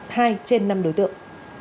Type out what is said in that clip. hai trên năm đối tượng